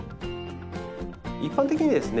一般的にですね